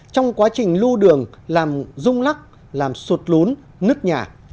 trong quá trình lưu đường làm rung lắc làm sụt lún nứt nhà